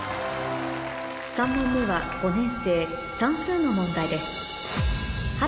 ３問目は５年生算数の問題です